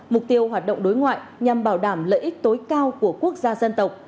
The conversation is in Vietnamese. mục tiêu hoạt động đối ngoại nhằm bảo đảm lợi ích tối cao của quốc gia dân tộc